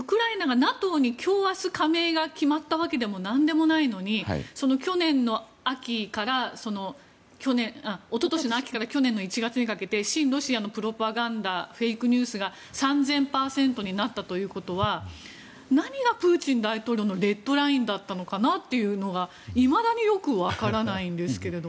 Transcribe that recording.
ＮＡＴＯに今日、明日加盟が決まったわけでも何でもないのに一昨年の秋から去年の１月にかけて親ロシアのプロパガンダフェイクニュースが３０００％になったということは何がプーチン大統領のレッドラインだったのかなというのが、いまだによく分からないんですけど。